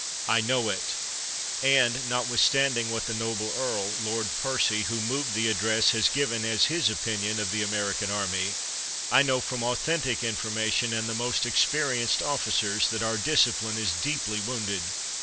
I know it; and, notwithstanding what the noble earl [Lord Percy] who moved the address has given as his opinion of the American army, I know from authentic information, and the most experienced officers, that our discipline is deeply wounded.